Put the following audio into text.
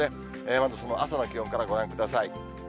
まずその朝の気温からご覧ください。